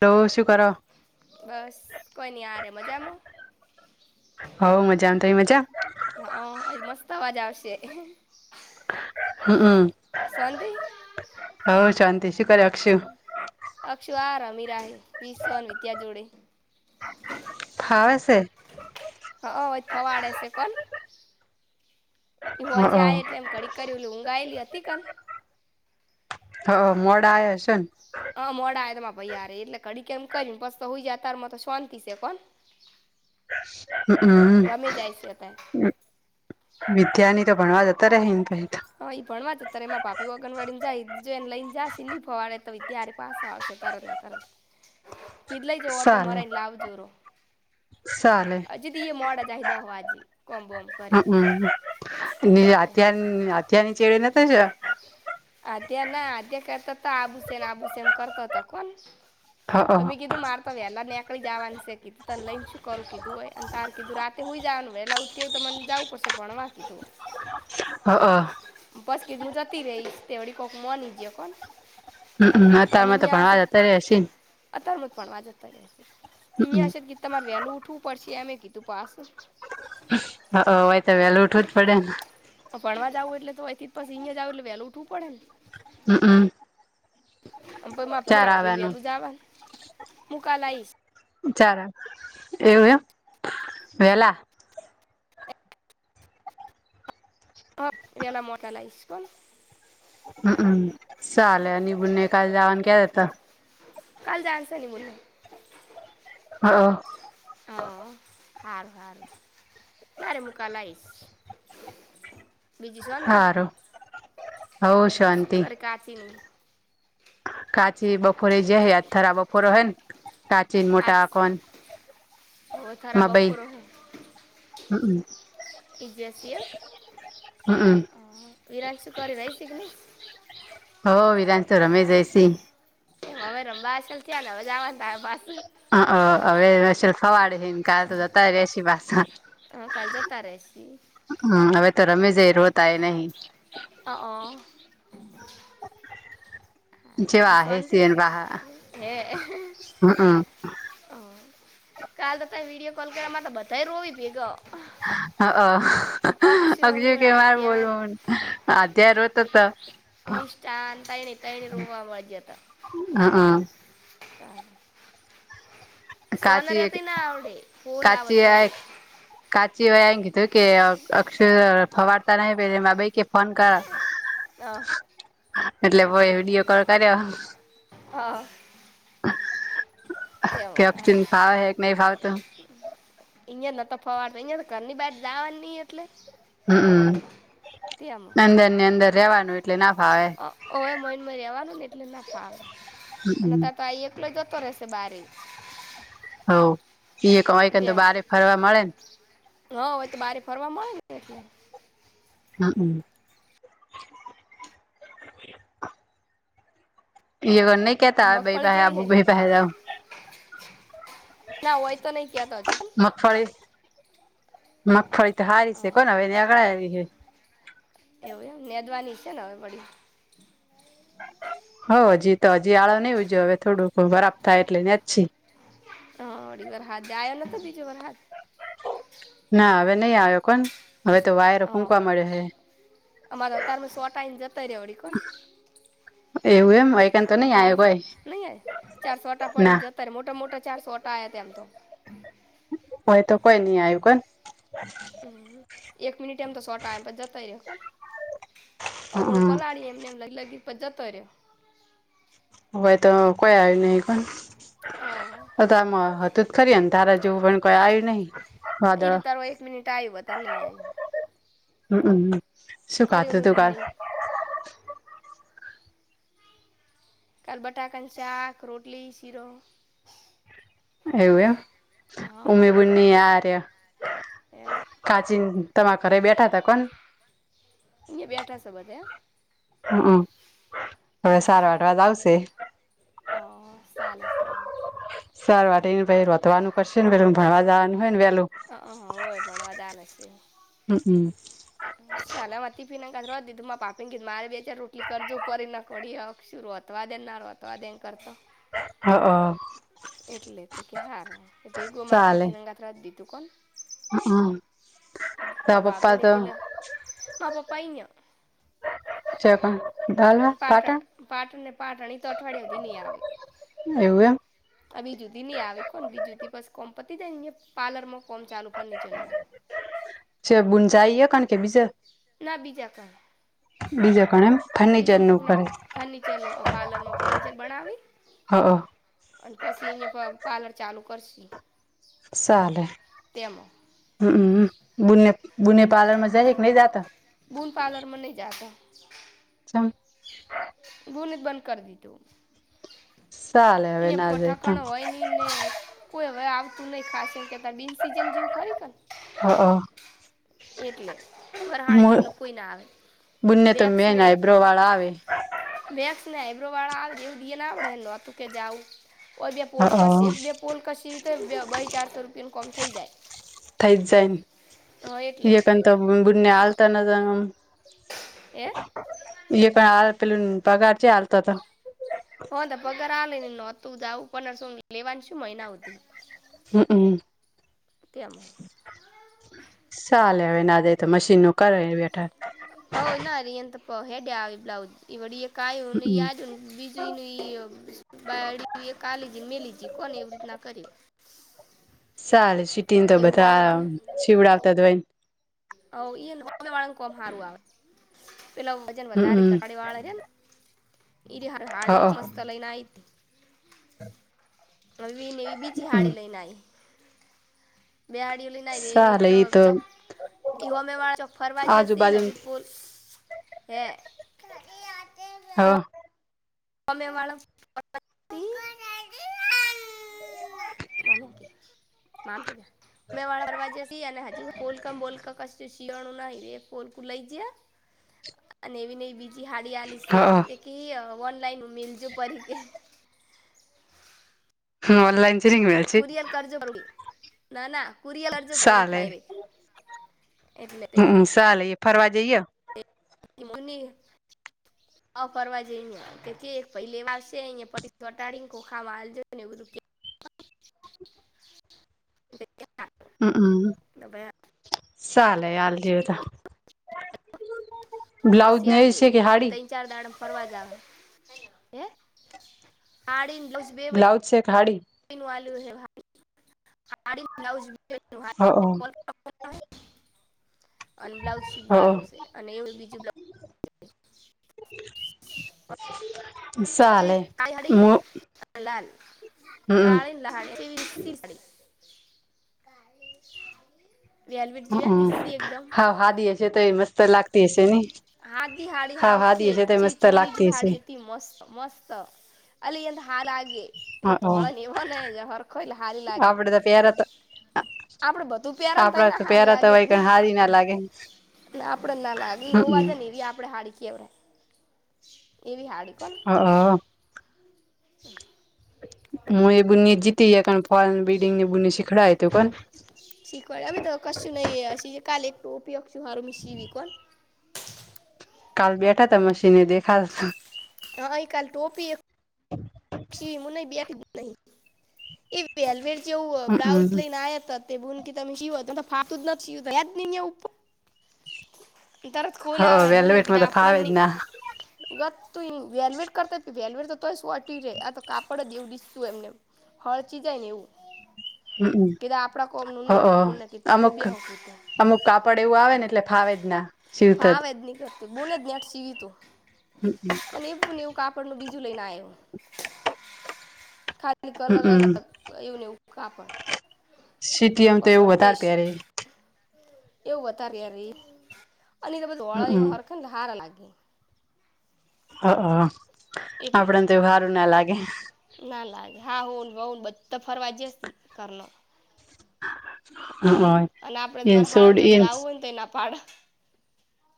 તો શું કરો બસ કોઈ હારે મજામાં. હઉ મજા અતાઈ મજા. હા એ મસ્ત આવાજ આવશે. હમમ. શાંતિ હ શાંતિ શી કર્યા. અક્ષુ આ રમીરા આ વિસોન વિદ્યા જોડે. ખાવશે. હા હ ફવારેશે કોન. એ હ હું હજીે આ એટલે એમ કડીક એ ઊઘાયેલી હતી કને. હ મોડા આ છેન. હ મોડા એદમાં ભૈઇ એટલે ઘડી કે એમ કરીને પસ તો હઈ જ તારમાં તો શાંતિ છે કો. હમ રમી જાય છે અતારે વિદ્યા ની તો ભણવા જતા રયા હા ઈ ભણવા અ ત્યારે એમાં ભાભી આંગણવાડી ને જાય જો એને લઈને જશે નહી ફવાડે તો ત્યારે પાસ આવશે તર ને. સરસ કીધ લઈ જ ઓટો સાલે મારેને લાવજો રો. સાલે તદી એ મોડા જાય દહ વાજે કોમ બમ. હમમ અત્યાર અત્યારની ચેડે નથી થ જ. આધ્યા ના આધ્યા કરતા ત આબુષેમ આભુષમ કરતો હતો કોણ. હ હ હમમ તમે કીધું માર ત વેલા નીકળી જવાનું સે કીતર લઈને શું કરું કીધું હોય અને તાર કીધું રાતે હોય જવાનું વેલા. એવું તો મને જાવું પડશે ભણવા તો. અ અ. બસ ક‌ઇ હું જતી રહીશ તે વળી કોક માની જ કોણ. હમમ અતમાં તો પણ હતારે હશે. અતમત પણ વાતા યા હમમ અ [unintelligible] ગી. તમારે વેલું ઉઠવું પડશે એમે કીધું પાસ. હ તો વહેલું ઉઠવું જ પડે ને. ભણવા જાવું હોય તો એટલે તોથી પી અહીંયા જવ એટલે વહેલું ઉઠું પડે. હમ હમ. મ પ માપ આવાનું વેલું જવા હું કાલ આ આવીશ. ચાર એવું એમ વેલા હ વેલા મોટા લાઇસ હમમ ચાલે ની બુનને એ કાલ જવાની ક્યા જતા હતા. કાલ જણશે હનીમુન હા હ હાર હારું ના રે હું કાલે આઇસ. હારું હવ શું શાંતિ. કરે કાચીની. કાચી બપોરે જે હૈ આથરા બફોરા હૈ ને કાચીને મોટકોન હ થરા બપોરો હ હમમ. ઈજ હમમ વિરાટ શું કરી રઈ હોવ વિધાનંત તો રમેશ જયસિહ એમ હવે [unintelligible] હ હવે ફવાડે છે ને કાલ તો જતાય રસી બાસણ હા કાલ જતા રહેસી હમ હવે તો રમે જ એ રોતાય નહીં અ હ બીજી જેવા હે સોતિ સી વાહા હે. હમમ હ કાલ દતા વિડીયો કોલ કર મા તો બધા રોવી ભેગો. હ અક્ષુ અગજ કેવાર આદ્યાન બોલું. અત્યારે તો. નિષ્ઠા એ ત્રણે ત્રણ રવા વાજ હતા. હ હ. હ. કાચી સોનર્યાથી ના આવડે ફૂલ કાચી આ આવતોય કાચી એમ કીધું કે અક્ષર થવાડતા નહી પ મેભી કે ફોન કર હ એટલે વીડીયો કોલ કર્યો. હા. કે તેવા હતા. અક્ષર ફાવે હે કે નહી ફાવતું અહિયાયા નતો ફવાડતો અહિયાયા તો ઘરની બાજ જવાની નઈ એટલે. તેમ હમમ અદરની અંદર રેવાનું એટલે ના ફાવે. ઓવે મન મય રહેવાનું ને એટલે ના થાવ અને હમમ તં તો આ એકલો જતો રહેશે બારે હ એ કય કે તો તેમ બારે ફરવા મળે ને હા હોય તો બારે ફરવા મળે ને એટલે હમમ. ઈવન નહી કેતા હવે બે મગફળી પસે જેવી આવું હે બે પસે જાવ ના વય તો નઈ ક્યા તો હજુ મગફળી મગફળી તો હારી છે હા કોને હવે એની આગળાયલી છ. એવું એમ મેદવાની છે ને હવે વડી હ હજી તો હજી આળો નઈ ઉજ્યો હવે થોડું બરાબ થાય એટલે વેચશે હડી વરસાદ આયો નતો બીજો વરસાદ ના હવે નહી આવ્યો કોણ. હવે તો વાયરો હા ફૂકવા મળે હે. અમારે અતારમાં સોટાઈને જતો રહ્યો વળી કોણ એવું એમ હોયકન તો નઈ હા આવ કોઈ ના તારે મોટા મોટા ચારસોટા આયા તેમ તો હોય તો કોઈ ની આયું કોય હમ. એક મિનિટ એમ તો સોટા જતાય રીયો ઓગણું હ પલાળી એમને એમ લાગ્યું પ જતર્યો. હોય તો કોઈ આયુ નહી કોન? રહ્યો ઓતો આમ હતું ત ખરી અંધારા જેવું પણ કોઈ આયું નહીં. ઈ રયુ તારો એક મિનિટ આયું વધારે નહી આયું. હમમ અ હમ. શું કર્યું ખાતું માર તું કાલ બૂનને? કાલ બટાકાનું શાક, રોટલી, શીરો એવું એમ હા ઉમી બુનની આ રયા. એમ કાચીન તમારા ઘરે બેઠાતા કોન? બેઠાસે બધા એ? હ અ હવે સારા આઠવા આવશે અ સાલે સાલે સારું આ ટાઇને પહી રોતવાનું કરશે ને પેલું ભણવા જાવાનું હોય ને વેલું હહ અ હોવે ભણવા જાવાનું સે. હમ અ. [inaudible] [inaudible] કીધું મારે બે ચાર રોટલી કરજો ફરીન [unintelligible] અક્ષુ ના રોધવા દે ના રો તવા દેન કરત હ અ એટલે તે કે હારુ ચાલે [unintelligible] દીધું કોન? હ મા તારા પપ્પા ભાભીને તો પેલે મા પપા ઇયા છે કોણ પાટણ પાટણને પાટણ ઈ તો અઠવાડિયા હુધી ની આવે એવું એમ આવી જુદી ની આવી કોન બી જુદી બસ કોમ પતી જાય ઈયા પાર્લરમાં કોમ ચાલુ ફર્નીચરનું જાઈએ કાન કે બીજા ના બીજા બીજા કણ એમ ફર્નિચર બીજન નું કરે કોકના ફર્નિચરનો પાર્લરમાં ફર્નિચર બનાવી હ અને પછી ઈયા પા પાર્લર ચાલુ કરશી સાલે તેમાં હમ બુનને બુને પાર્લરમાં જાય ક ની જાતા બુન પાર્લરમાં ની જાતા ચમ બુને જ બંધ કર દીધું ચાલે હવે ઈયા ના જાય ત પઠાકાણ હોય નીને કોઈ હવે આવતું નહીં ખાશ એમ કેતા બિન સિઝન જેવું ખરી કર હ અ એટલે ફરહાળ જેટલું કોઈ ના આવે વેક્સ બેન ને આઈબ્રો વાળા આવે વેક્સ ને આઇબ્રો વાળા આવે જેવું દીએ ન આવડે એ નો તું કે જાવું ઓય બે હ પોલકસ એક બે પોલ કસ વી તોય બઈ ચારસો રૂપિયાનું કોમ થઈ જાય. સેન હા એટલે ઈયા કન તો બુનને આલતા નતા ને આમ હે ઈલે પણ આલ પેલુંન પગાર ચે આલત ત હન તો પગાર આલે નોતું જાવું પંદરસો લેવાની શું મહિના હુધી હમ અ કેમ? સાલે હવે ના દે તો મશીનનું કરે બેઠા હોવ ના અરિ એ તો પ હેડે આવે બ્લાઉઝ ઈ વડી એક આયુ હમ [unintelligible] બીજું ઈનુ ઈ બાયડી એક આલીજી મેલીજી કોને એવી રીતના કરી સાલે સીટીન તો એ બધા હોમે શીવડાવતા જ હોય હોવ ઈ ને હોમ વાળાનું કોમ હારું આવે પેલા વજન વધારે ધટાડે વાળા રે ન ઈ રયા હાડી જ મસ્ત લઈને આઈતી આવી ને એવી બીજી હાડી લઈને આઈ બેહાડીઓલી ના એ તો ઈતો ચોક ઈ હોમે વાળા ચોક ફરવા જસી ને આજુબાજુમથી પુલ હે. ઘરે હા. મ્મ વાળ [unintelligible] મ્મી કે મા મા કે દે મા મે વાળા પરરવાજે ને હજી બોલ બો કશ શિયાળું નહી એ પોલકું લઈ જ અને એવીને એવી બીજી હાડી આવી સ હ સે કેએ ઓનલાઈન હું મીલજું પરીકે. હ ઓનલાન. કુરિયર કરજો ના ના કુરિયર કરજ પરુ સાલે એ એટલે. હમ સાલે ફરવા જઈયો. એમને [inaudible] અ ફરવા જે અ કે પહી લે આવશે અયા પ વટાડીને ખોખામાં હાલજો ને એ બધું ક કે- કે હા. હમ તો ભાઈ હમ સાલે આલ જવ તો બ્લાઉઝ પછી આલ નેય દે છે કે ઈ હાડી ત્રણ ચાર દાડ ફરવા જ આવે હે હાડી ન બ્લાઉઝ બે બ્લાઉઝ છેક હાડી [unintelligible] હાડી ન બ્લાઉઝ હા હાડીને હ. અને બ્લાઉજ શીવાનું છે અને એવું બીજું બ્લા બ્લાઉઝ [unintelligible] સાલેે કાળી હાડી મુ હમ લ હાડી [unintelligible] વેલવેટ જી લિ્સી એકદમ હા દી છે. જે તો મસ્ત લાગતી હશે ને. હા દિ હાડી હાવ હાખે હાદી હશે તો પછ મસ્ત ચોરી લાગતી હશે જીહાડી અથી મસ્ત મસ્ત અલી એંદ હારાગે. એ તો હ ધોળાં વને હરખઈલા હારી લાગે. આપડે તો પહેરા તો આપડે બધું પ્યારો ને ભાઈ આપડા ના તો હાર પહેરા તો હોય લાગેને કઈ હારી ના લાગે ના આપડે ના લાગે રોવા જ હમમ ને એવી આપડે હાડી કેવાય. એવી હાડી. હા હા. મુ એ બુન જીતી કાર ફોન બિલ્ડિંગ ની બુન શીખડા તો પણ. શીખવાય અમ તો કશું નહી જે કાલ એક ટોપી અક્ષું હારું શીવી કોણ કાલ બેઠા તા મશીને દેખાળ હાહી ઇ કાલ ટોપી એક [inaudible] મુું ન બે નહી એ વેલવેર જેવું હમમ બ્લાઉઝ લઈને આયા હતા. બુન તમે શી ફાતુ ન શ [unintelligible] તરત. હ ખોલ આવે બુને કીધ વેલ્વેટમાં તો ફાવે આપણની જ ના ગત તું વેલવેર કરતા વેલવેડ તોય સ્વા આ તો કાપડ જ એવું દિશતું એમને હળચી જાય ને એવું. હમમ કીધા આપણા હ કોમનુંનું નહી કીધુંને કી તમે અમુક બેહો કીધ. અમુક કાપડ એવું આવે ને એટલે ફાવે જ ના શિવ ત જ. ફાવે નહીં કરતી બોને જ નેટ સીવી તું હમમ. અને એવું ને એવું કાપડ નનું બીજું લઈને આવ્યું. અને કલર હમમ અલગ એવું નવું કાપડ સીટીએમ તો એવું પસવડ વધારે તૈસી પહેરે એવું વધારે યાર એ અને એ તો બધું વ હમમ ધોળા હોરખ હારા લાગે. હા એટલે આપડે તો હારું ના લાગે. ના લાગે હા હાહુન વવુ બધા ફરવાજીસ્તી કરણ [unintelligible] અલા હ આપડે વરહાંદ સોડ ચોક એન જાવું હોય ને તો એના પાડ.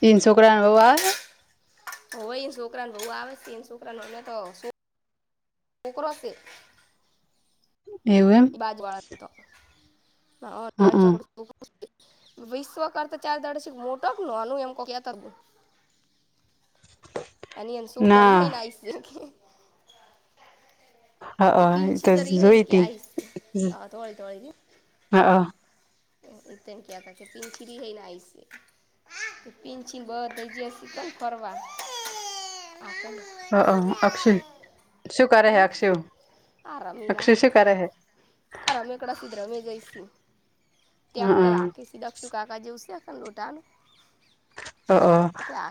તીન છોકરા ન વઉ આવે હે? હોવ એને છોકરાને બહુ આવે છોકરાને તો છોકરો છે. એવું એમ. બાજુવાળા ન એમ તો હ વિશ્વ કર તો ચાર દાડેથી મોટો નોનો એમ કો ત અને એ શું ના તોરી [unintelligible] હા એ તો જોઈતી. હા. [unintelligible] પિનછીન બધોય જ્યોસ તન ફરવા. હક અક્ષય શું કરે હૈ હમ અક્ષુ આ રમી અક્ષુ રાહે શું કરે હૈ? આ રમેકડા સીધ રમેજાયસી હ ટ્રેક્ટર હાંકીશ અક્ષુ કાકા જોઈશે લોઢા હનહ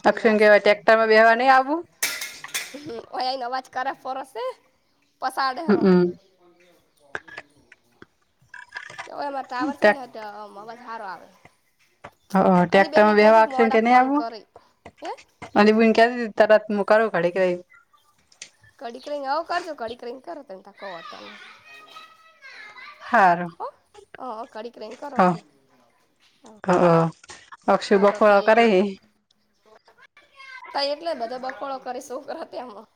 અક્ષુ કે રાશે અવે ટ્રેક્ટરમાં બેસવા નહીં આવવું? [unintelligible] હમ એમાં ટાવર છે ને તો વધારો આવે. હા અને બેને ટેક્ટરમાં બેવા કહેજો અક્ષુ કે મોડા ની ફોન આવું? કરી હે અલીબીન કેતીતી તરત મોકલો કઢીકે કઢીક રઈને અવ કરજો કઢીક રય કરો. હારુ હો હં ઘડીક રહીને કરો હા કે હવ. હહ. અક્ષુ નવરો બપોર થાય એટલે અકડાઈ [inaudible] તા એટલે બધો બકોડો કરી છોકરો તેમાં.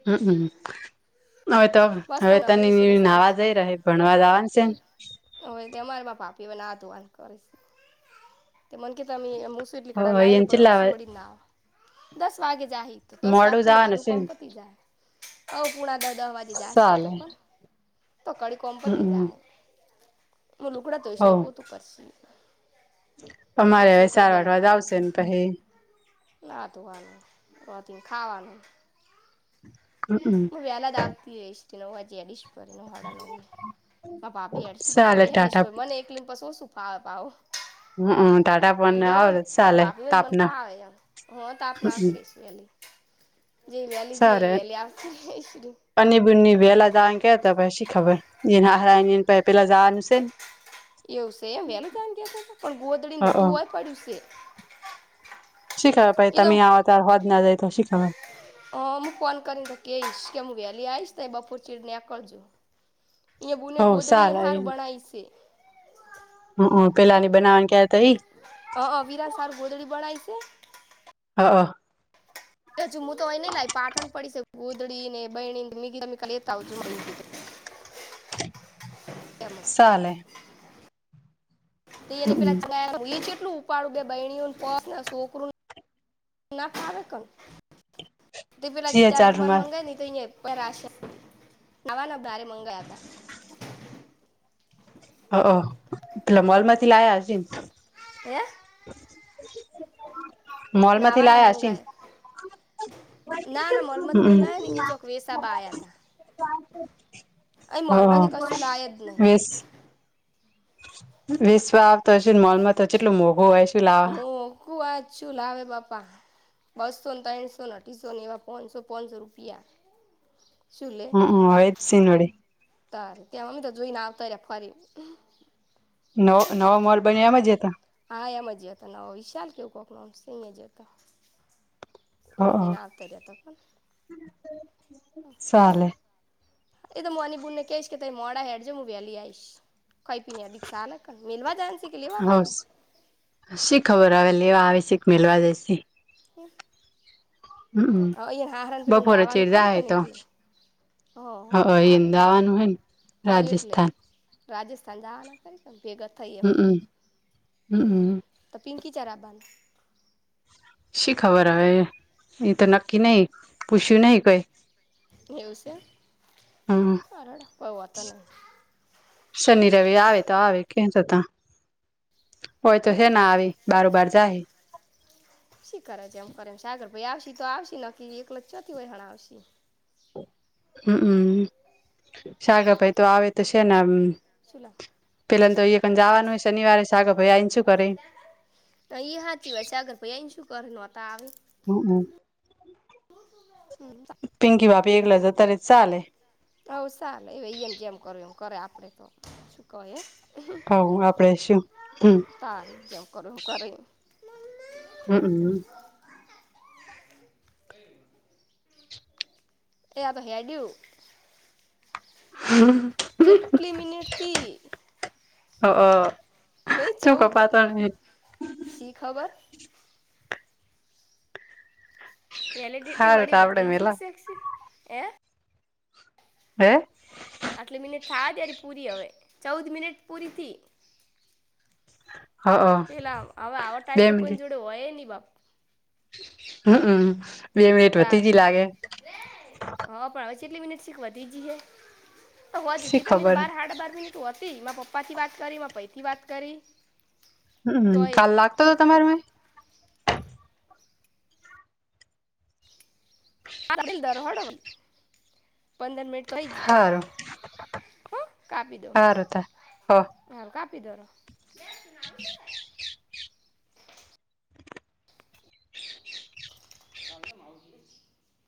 હહ. હવે તો બસ તો હવે નવરી છે તને એટલે નાહવા ચાલશે જઈ રહે ભણવા જવાનું છે. હવે અમારીમાં ભાભી બનાવે આ ધુવા કરીશ. તે મને કે તમે એને ચેટલા [unintelligible] ના દસ વાગે જાહી તો દસ મોડું વાગે તને જવાનું બધું છે કોમ ને પતી જાય. હ પુણા દ દહ વાજે જશું તો ચાલે પણ. તો કડી કોમ પતી હમ જાય. હું લુઘડો ધોઈશ ને હવ ઈ પોતું કરશે. અમારે હવે સારવારવા જ આવશે ને પછી લતું વાનું હોતી ખાવાનું. હવે હમ હું વેલા જ આવતી રઈશ [unintelligible] આ ભાભી એડસ ચાલે એશ ટાટા મને એક લિમ્સ શ શું ફાવે ભાવ? હમ ટાટા પણ એરિયા આવે હોય ચાલે ભાભી હોય ન મને તાપના ફાવે [unintelligible] [inaudible] જે વેલી જે એવી વેલી આવ. પની બુની વેલા આવ જ કેતા પછી શી ખબર. એના હારા એ પ પેલા જવાનું શે. એવું છે એમ વહેલું જવાનું કેતા હતા ગોદડીને હ બધું ઓય પડ્યું છે. શી ખબર ભય તમે આવો તો સાંજના જાય શી ખબર. હ હું ફોન કરીને કઈશ કે હું વહેલી આવીશ ત બપોર ચીડી ને આકળજો. એ બુ ને હો ગોદડી ચાલે હારું બણાય છે. હક પેલા ની બનાવાને ક્યારે થાય. હ અ વિરાાસારું ગોદડી બણાય છે. હ હ. હજુ હું તો અ નઈ લાવ પાટણ પડી છે ગોદડી ને બયની મી લેતા આવ છું. ચાલે. હમ [unintelligible] ઉપાડુ બે બેયની [unintelligible] સોકરૂ ના ફાવે તે પેલા ચાર રૂમાલ મંગાય નહી તો અં નવાના ભારે મંગાયા હતા. હ તલા મોલમાંથી લયા હશન હેં નાવાના મંગાયા મોલમાંથી લાયાસી ના ના મલમત નહીં લાયા ને હમ અહીંયા ચોક વેસાબા આયા હતા હમ હા અહીં મોલમાંથી કશું લાય હ જ નહીં વીસ વિશવ આવ તોશેને મોલમાં તો જેટલું મોઘું હોય છે. હુંકું આજ છું લાવે બાપા બસો ને ત્રણસો ને અઠીસો ને એવા પોણસો પોણસો રૂપિયા શું લે હમ હોય જ સિનોડી તારે ત્યાં અમ તો જોઈને આવતા ફરી નવો નવો મોલ બન્યા એમ જતા હા એમ જ હતો નવો વિશાલ કેવું કોક નોમશે અહીંયા જ હતો હ એ જ ના આવતારીયા ત પણ ચાલે હ એ તોની બુનને કહીશ કે ત મોડા હેડજ હું વ્યાલી આઈશ કઈ પી ને અધિક ચાાલ મેલવા જ છે કે લેવા હ શી ખબર આવે લેવા આવે શીખ મેલવા દેશે હમ હ અહીયાં હહરાન પેલા બપોરે જવાનું ચીડ ખરું જાહે કર ને તો એટલે હ હ હારુ એને દાવાનું હોય ને હા એટલે રાજસ્થાન રાજસ્થાન જવાના કરી ભેગા થઈ એમ હમમ હમમ તો પિંકી ચારા બાંધ શી ખબર હ એ તો નક્કી નહી પૂછ્યું નહ કોઈ એવસે હમ કારળ કોઈ વાતા નહી શનિ રવિ આવે તો આવે કે થતા હોય તો નહીં છેે ના આવે બરોબાર જાય શી કરે છે એમ કરે એમ સાગર ભાઈ આવશે તો આવશે ન એકલખ ચોથી વહેણ આવશે હમમ સાગાભાઈ તો આવે તો છેને શું લાવ પેલા તો અ ક જવાનું હોય શનિવારે સાગે ભાઈ આવીને શું કરે તો એ સાચી વાત છે આગર ભાઈ એને શું કરે નહોતા આવે હું હું હવ પિંકી બાપી એક લ જ તરી ચાલે હવ સારું એમ જેમ કરું એમ કરે આપડે તો શું ક હ આપડે શું હમ તાર જ કરું કરે હમમ એયા તો હેરાર દું હમ જેટલી મિનિટથી હ હ નહી ચૌદ શી ખબર વેલીડિટી સારું બડી તો આપડે બતી જએ એક મેલા શેસ એ હે આટલી મિનિટ થા ત્યારે પૂરી હવે ચૌદ મિનિટ પૂરી થી હ [unintelligible] પેલા હવે આવા બે ટાઈમ તો કોઈ મિનિટ જોડે હોય નઈ બાપ હમમ બે મિનિટ વધતી જ તારે લાગે હા પણ હવે ચટલી મિનિટ શીખવા તીજી છે તો હો જ શી હતી ત તો ખબર બાર સાાડા બાર મિનિટ હતી મા પપ્પા થી વાત કરી પાઈ થી વાત કરી હમ્મ તોય કાલ લાગતો હતો તમારે મમાં [unintelligible] પંદર મિનિટ તોઈ જ ક હારું હ કાપી દો હારું તા હ હા કાપી દોર [inaudible] [unintelligible]